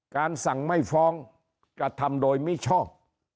สั่งไม่ฟ้องกระทำโดยมิชอบ